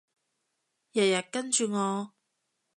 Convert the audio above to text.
日日跟住我